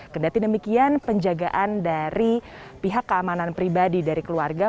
kendati demikian penjagaan dari pihak keamanan pribadi dari keluarga